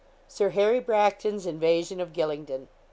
SIR HARRY BRACTON'S INVASION OF GYLINGDEN.